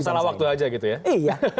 masalah waktu aja gitu ya